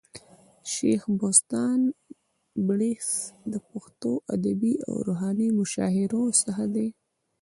شېخ بُستان بړیڅ د پښتو ادبي او روحاني مشاهيرو څخه دئ.